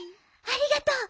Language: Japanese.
ありがとう！